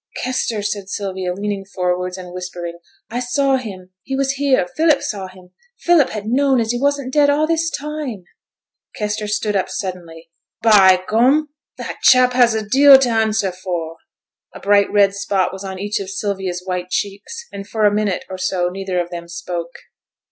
'Kester!' said Sylvia, leaning forwards, and whispering. 'I saw him. He was here. Philip saw him. Philip had known as he wasn't dead a' this time!' Kester stood up suddenly. 'By goom, that chap has a deal t' answer for.' A bright red spot was on each of Sylvia's white cheeks; and for a minute or so neither of them spoke.